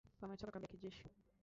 Wametoka kambi ya kijeshi